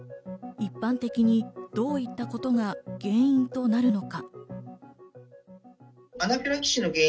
一般的にどういったことが原因となるのか？